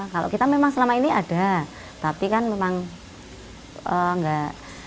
kalau kita memang selama ini ada tapi kan memang enggak